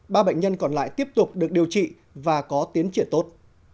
ba bệnh nhân còn lại tiếp tục được điều trị và có tiến triển tốt